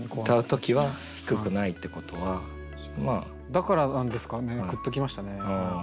だからなんですかねグッときましたね。